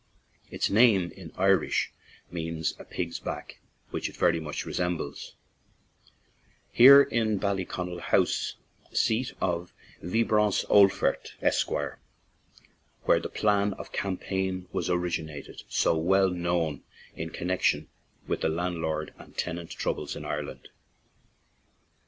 Its name in Irish means "a pig's back/' which it very much resembles. Here is Ballyconnell House, seat of Wybrants Olphert, Esq., where the "Plan of Cam paign" was originated, so well known in connection with the landlord and tenant troubles in Ireland.